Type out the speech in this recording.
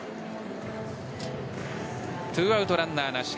２アウトランナーなし。